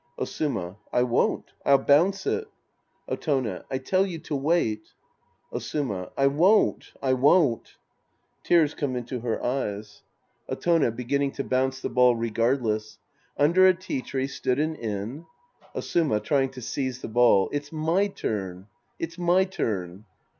Osuma. I won't. I'll bounce it. Otone. I tell you to wait. Osuma. I won't. I won't. {Tears come into her eyes.) 216 The Priest and His Disciples Act VI Otone {beginning to bounce the ball regardless). Under a tea tree stood an inn — Osuma {trying to seize the ball). It's my turn. It's my turn.